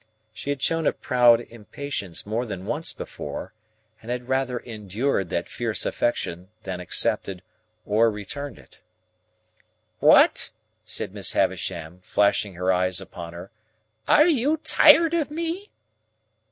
She had shown a proud impatience more than once before, and had rather endured that fierce affection than accepted or returned it. "What!" said Miss Havisham, flashing her eyes upon her, "are you tired of me?"